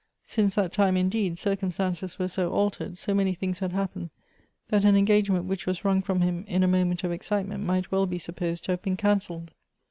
Since that time, indeed, circumstances were so altere<l, so many things had happened, that an engagement which was wrung from him in a moment of excitement might well be supposed to have been cancelled.